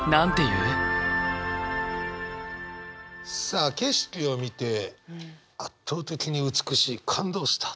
さあ景色を見て圧倒的に美しい感動した。